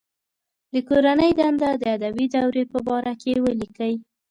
د کورنۍ دنده د ادبي دورې په باره کې ولیکئ.